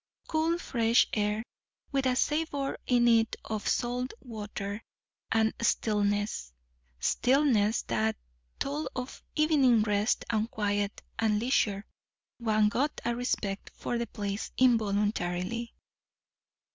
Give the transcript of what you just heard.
Cool fresh air, with a savour in it of salt water; and stillness stillness that told of evening rest, and quiet, and leisure. One got a respect for the place involuntarily.